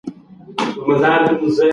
ژوند د یوې لنډې کیسې په څېر دی.